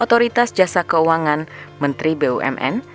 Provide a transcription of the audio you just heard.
otoritas jasa keuangan menteri bumn